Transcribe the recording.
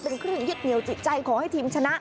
เป็นเครื่องยึดเหนียวจิตใจขอให้ทีมชนะ